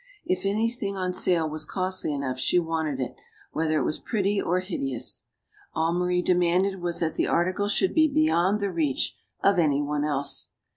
If anything on sale was costly enough, she wanted it, whether it was pretty or hideous. All Marie demanded was that the article should be beyond the reach of any one else.